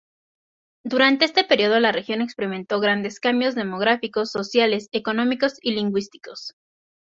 Durante este período la región experimentó grandes cambios demográficos, sociales, económicos y lingüísticos.